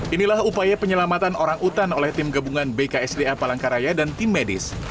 inilah upaya penyelamatan orang utan oleh tim gabungan bksda palangkaraya dan tim medis